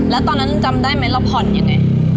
แล้วตอนนั้นจำได้ไหมเราผ่อนยังไง